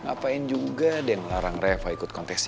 ngapain juga deh ngelarang reva ikut kontes ini